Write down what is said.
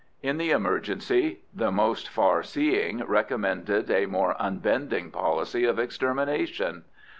In the emergency the most far seeing recommended a more unbending policy of extermination.